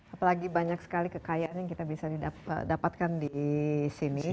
apalagi banyak sekali kekayaan yang kita bisa dapatkan di sini